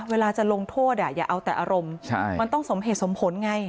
เวลาจะลงโทษอย่าเอาแต่อารมณ์มันต้องสมเหตุสมผลไง